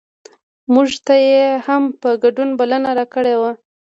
مونږ ته یې هم د ګډون بلنه راکړې وه.